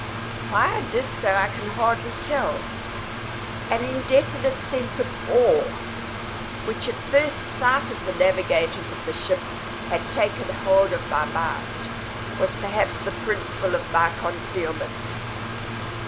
Why I did so I can hardly tell. An indefinite sense of awe, which at first sight of the navigators of the ship had taken hold of my mind, was perhaps the principle of my concealment.